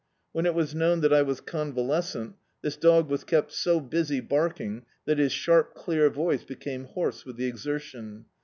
When it was known that I was convalescent, this dog was kept so busy barking that his sharp clear voice became hoarse with the exertion.